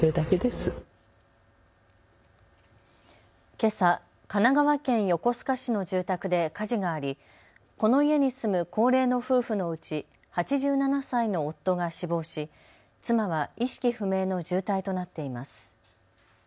けさ、神奈川県横須賀市の住宅で火事があり、この家に住む高齢の夫婦のうち８７歳の夫が死亡し、妻は意識不明の重体となっています。